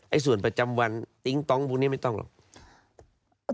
ส่วนประจำวันติ๊งต้องพวกนี้ไม่ต้องหรอก